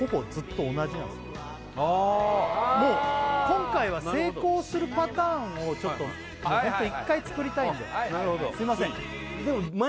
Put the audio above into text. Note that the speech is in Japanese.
今回は成功するパターンをちょっとホント１回作りたいんですいません